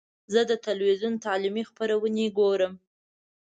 زه د ټلویزیون تعلیمي خپرونې ګورم.